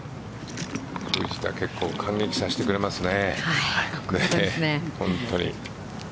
藤田結構感激させてくれますね。